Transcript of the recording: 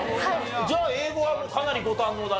じゃあ英語はもうかなりご堪能だね。